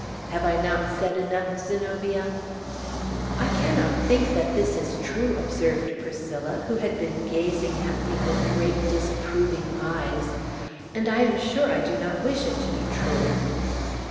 Have I not said enough, Zenobia?" "I cannot think that this is true," observed Priscilla, who had been gazing at me with great, disapproving eyes. "And I am sure I do not wish it to be true!"